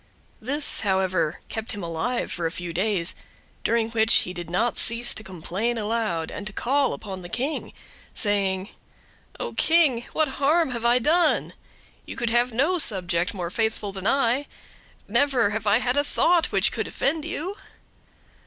This, however, kept him alive for a few days, during which he did not cease to complain aloud, and to call upon the King, saying: "Oh King, what harm have I done? You have no subject more faithful than I. Never have I had a thought which could offend you."